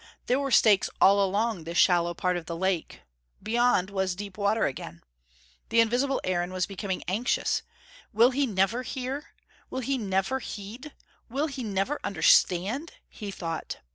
There were stakes all along this shallow part of the lake. Beyond was deep water again. The invisible Aaron was becoming anxious. "Will he never hear? Will he never heed? Will he never understand?" he thought.